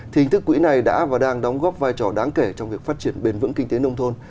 hình thức quỹ này đã và đang đóng góp vai trò đáng kể trong việc phát triển bền vững kinh tế nông thôn